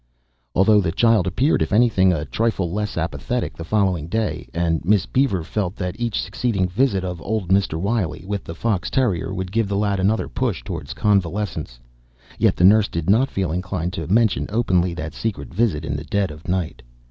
Although the child appeared, if anything, a trifle less apathetic the following day and Miss Beaver felt that each succeeding visit of old Mr. Wiley with the fox terrier would give the lad another push toward convalescence, yet the nurse did not feel inclined to mention openly that secret visit in the dead of night.